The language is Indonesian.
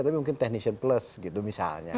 tapi mungkin teknisi plus gitu misalnya